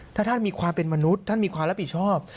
ถ้าท่านมีความเป็นมนุษย์ท่านมีความรับผิดชอบ